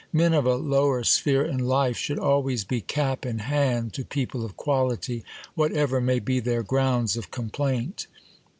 Men of a lower sphere in life should always be cap in hand to people of quality, whatever may be their grounds of complaint.